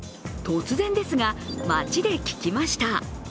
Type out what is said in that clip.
突然ですが、街で聞きました。